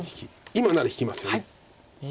今なら引きますよね。